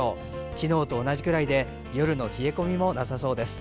昨日と同じくらいで夜の冷え込みもなさそうです。